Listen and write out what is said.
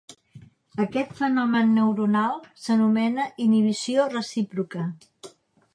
Aquest fenomen neuronal s'anomena inhibició recíproca.